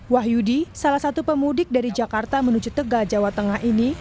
wahyudi salah satu pemudik dari jakarta menuju tegal jawa tengah ini